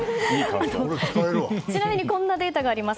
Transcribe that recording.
ちなみにこんなデータがあります。